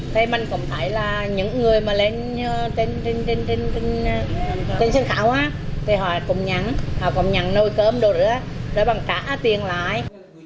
thì mình cũng thấy là những người mà lên trên sân khảo thì họ cũng nhắn nồi cơm đồ nữa để bằng trả tiền lại